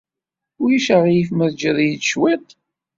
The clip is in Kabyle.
Ulac aɣilif ma tejjiḍ-iyi-d cwiṭ?